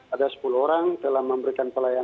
ada sepuluh orang telah memberikan pelayanan